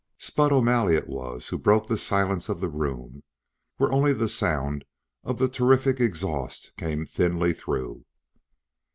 Spud O'Malley, it was, who broke the silence of the room where only the sound of the terrific exhaust came thinly through.